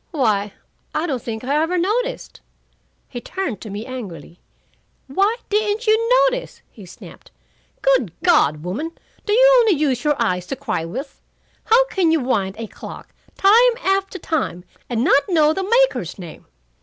"Why, I don't think I ever noticed." He turned to me angrily. "Why didn't you notice?" he snapped. "Good God, woman, do you only use your eyes to cry with? How can you wind a clock, time after time, and not know the maker's name?